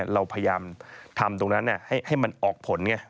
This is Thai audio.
เราพยายามทำตรงนั้นให้มันออกผลไง